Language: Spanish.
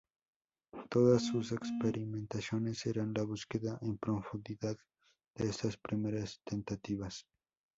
Todas sus experimentaciones serán la búsqueda en profundidad de estas primeras tentativas.